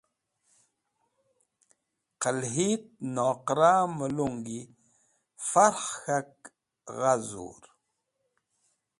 Qẽlhit noqraẽ mẽlungi farkh k̃hak gha zur.